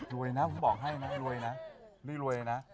รวยนะผมบอกให้นะรวยนะนี่รวยเลยนะ